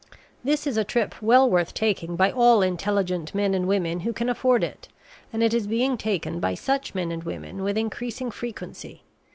This is a trip well worth taking by all intelligent men and women who can afford it; and it is being taken by such men and women with increasing frequency.